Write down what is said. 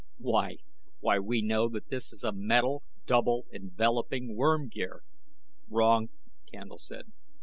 "Why why we know that this is a metal double enveloping worm gear." "Wrong," Candle said.